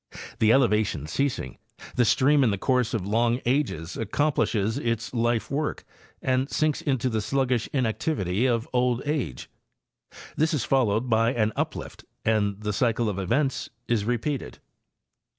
The elevation ceasing, the stream in the course of long ages accomplishes its life work and sinks into the sluggish inactivity of old age. This is followed by an uphft and the cycle of events is repeated.